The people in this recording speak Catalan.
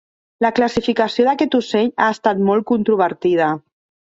La classificació d'aquest ocell ha estat molt controvertida.